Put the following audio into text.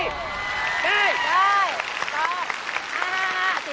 ได้